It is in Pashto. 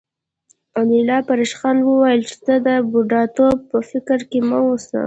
انیلا په ریشخند وویل چې ته د بوډاتوب په فکر کې مه اوسه